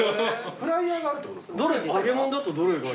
フライヤーがあるってことですか。